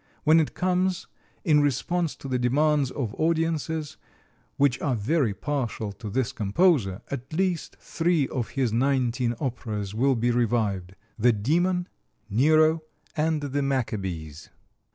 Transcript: When it comes, in response to the demands of audiences, which are very partial to this composer, at least three of his nineteen operas will be revived: "The Demon," "Nero," and "The Maccabees."